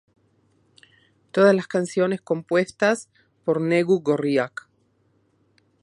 Todas las canciones compuestas por Negu Gorriak.